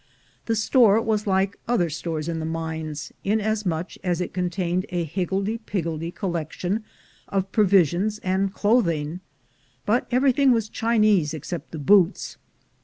The store was like other stores in the mines, inas much as it contained a higgledy piggledy collection of provisions and clothing, but everything was Chinese excepting the boots.